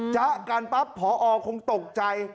จ๊ะกันปั๊บพอคงตกใจ